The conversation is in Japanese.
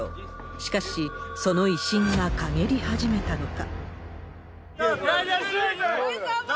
しかし、その威信がかげり始めたのか。